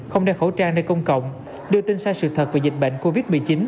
không đeo khẩu trang nơi công cộng đưa tin sai sự thật về dịch bệnh covid một mươi chín